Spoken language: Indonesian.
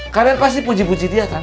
kalian pasti puji puji dia kan